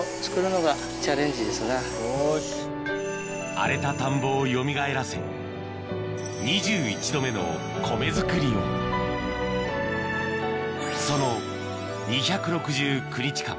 荒れた田んぼを甦らせ２１度目の米作りをその２６９日間